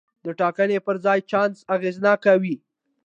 د ټاکنې پر ځای چانس اغېزناک وي.